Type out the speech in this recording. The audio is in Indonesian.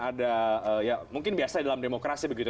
ada ya mungkin biasa dalam demokrasi begitu